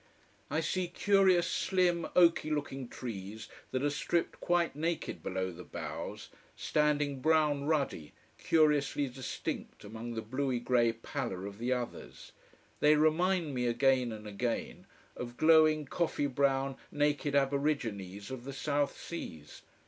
I see curious slim oaky looking trees that are stripped quite naked below the boughs, standing brown ruddy, curiously distinct among the bluey grey pallor of the others. They remind me, again and again, of glowing, coffee brown, naked aborigines of the South Seas.